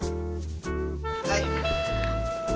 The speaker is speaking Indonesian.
ni udah tujuan lu apa